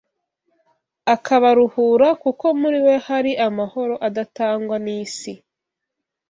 akabaruhura kuko muri we hari amahoro adatangwa n’isi